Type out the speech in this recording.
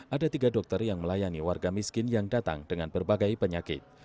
ada tiga dokter yang melayani warga miskin yang datang dengan berbagai penyakit